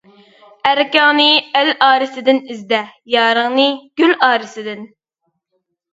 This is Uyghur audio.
ئەركىڭنى ئەل ئارىسىدىن ئىزدە، يارىڭنى گۈل ئارىسىدىن.